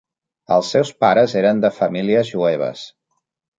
Els seus pares eren de famílies jueves.